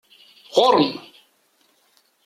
Ɣuṛ-m!